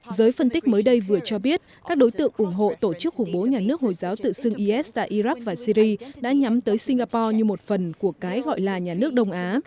giới phân tích mới đây vừa cho biết các đối tượng ủng hộ tổ chức khủng bố nhà nước hồi giáo tự xưng is tại iraq và syri đã nhắm tới singapore như một phần của cái gọi là nhà nước đông á